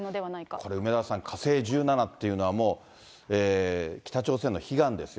これ、梅沢さん、火星１７っていうのはもう北朝鮮の悲願ですよ。